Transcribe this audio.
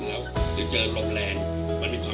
ร่วมพลังร่วมแรงร่วมใจ